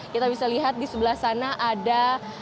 kita bisa lihat di sebelah sana ada